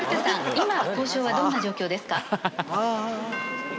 今交渉はどんな状況ですか？